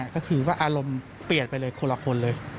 ก็คือว่าอารมณ์เปลี่ยนไปเลยคนละคนเลย